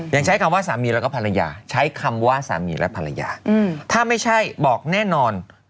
ยังใช้คำว่าสามีแล้วก็ภรรยาใช้คำว่าสามีและภรรยาถ้าไม่ใช่บอกแน่นอน